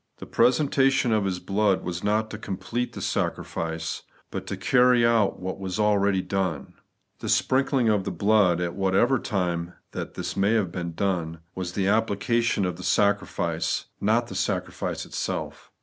The presentation of His blood was not to complete the sacrifice, but to carry out what was already done. The sprinkling of the blood (at whatever time that may have been done) was the application of the sacrifice, not the sacrifice itself.